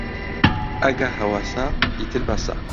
ئەگە هەوەسە، ئیتر بەسە